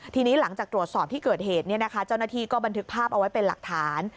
ทีนี้หลังจากตรวจสอบที่เกิดเหตุเจ้าหน้าที่ก็บันทึกภาพเอาไว้เป็นหลักฐาน